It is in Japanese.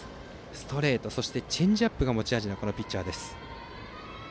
ストレート、チェンジアップが持ち味のピッチャーです。